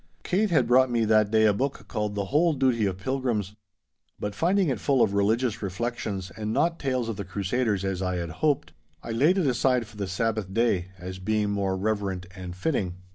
Kate had brought me that day a book called The Whole Duty of Pilgrims, but finding it full of religious reflections and not tales of the Crusaders as I had hoped, I laid it aside for the Sabbath day, as being more reverent and fitting.